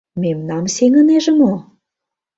Мемнам сеҥынеже мо?!